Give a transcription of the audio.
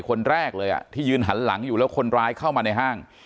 คนแรกเลยอ่ะที่ยืนหันหลังอยู่แล้วคนร้ายเข้ามาในห้าง